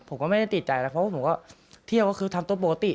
ผมก็ไม่ได้ติดใจแล้วเพราะว่าผมก็เที่ยวก็คือทำตัวปกติ